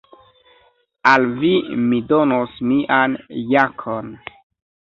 Al vi mi donos mian jakon.